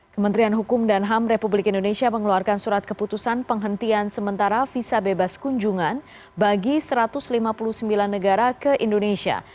kementerian hukum dan ham republik indonesia mengeluarkan surat keputusan penghentian sementara visa bebas kunjungan bagi satu ratus lima puluh sembilan negara ke indonesia